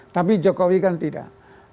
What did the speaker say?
tapi jokowi kan tidak